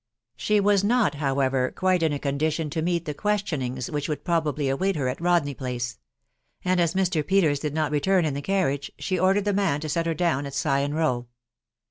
She was not, however, quite in a condition to meet the questionings which would probably await her at Rodney Place ; and as Mr. Peters did not return in the carriage, she ordered the man to set her down at Sion Row.